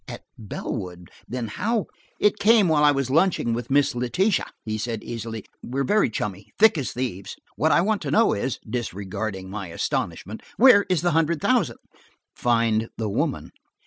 "At Bellwood? Then how–" "It came while I was lunching with Miss Letitia," he said easily. "We're very chummy–thick as thieves. What I want to know is"–disregarding my astonishment–"where is the hundred thousand?" "Find the woman."